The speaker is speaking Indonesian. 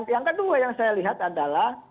yang kedua yang saya lihat adalah